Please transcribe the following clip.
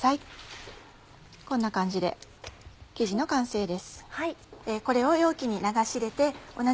こんな感じで生地の完成です。